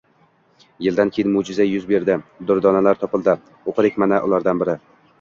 yildan keyin mo»jiza yuz berdi: “durdona”lar topildi. O’qidik. Mana, ulardan biri: